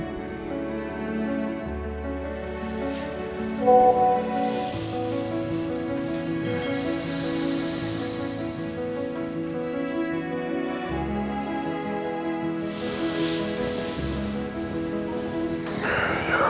tidak ada yang nanya apa apa